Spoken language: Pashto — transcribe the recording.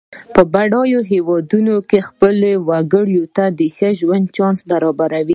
بډایه هېوادونه خپلو وګړو ته د ښه ژوند چانس برابروي.